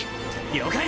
了解！